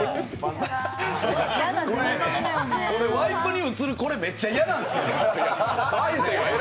俺、ワイプに映るこれ、めっちゃ嫌なんですけど。